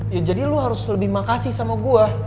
ya jadi lu harus lebih makasih sama gue